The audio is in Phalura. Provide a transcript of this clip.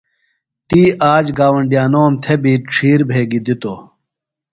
تی آ ج گاوۡنڈیانوم تھےۡ بیۡ ڇِھیر بھیگیۡ دِتوۡ۔